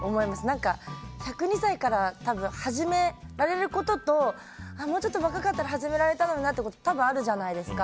何か１０２歳から多分、始められることともうちょっと若かったら始められたのになってこと多分あるじゃないですか。